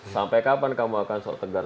sampai kapan kamu akan sok tegar